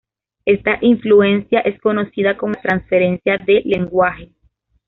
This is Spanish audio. Esta influencia es conocida como la transferencia de lenguaje.